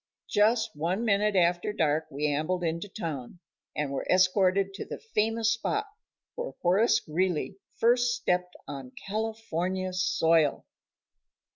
Just one minute after dark we ambled into town, and were escorted to the famous spot where Horace Greeley first stepped on California soil.